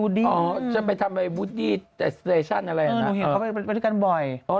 วูดดี้อ๋อจะไปทำอะไรอะไรอ่ะเออมึงเห็นเขาไปไปด้วยกันบ่อยอ๋อ